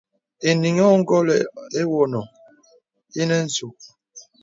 Enīŋ óngolə̀ ewone ìnə nzûg.